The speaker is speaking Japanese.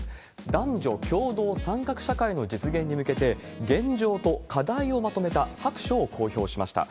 男女共同参画社会の実現に向けて、現状と課題をまとめた白書を公表しました。